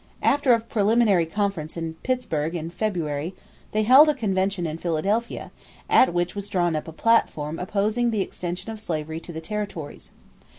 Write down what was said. After a preliminary conference in Pittsburgh in February, they held a convention in Philadelphia at which was drawn up a platform opposing the extension of slavery to the territories.